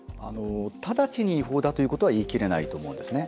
ただちに違法だということは言い切れないと思うんですね。